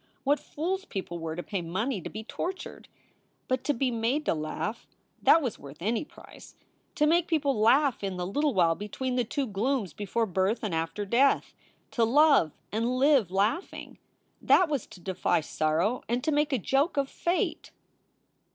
What fools people were to pay money to be tortured! But to be made to laugh that was worth any price. To make people laugh in the little while between the two glooms before birth and after death to love and live laughing that was to defy sorrow and to make a joke of fate.